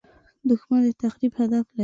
دښمن د تخریب هدف لري